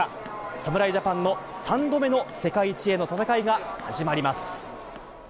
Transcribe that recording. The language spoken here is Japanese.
侍ジャパンの３度目の世界一への戦いが始まります。